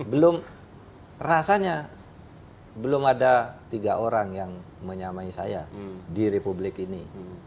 belum rasanya belum ada tiga orang yang menyamai saya di republik ini